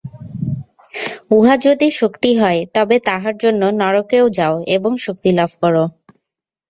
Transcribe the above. উহা যদি শক্তি হয়, তবে তাহার জন্য নরকেও যাও এবং শক্তি লাভ কর।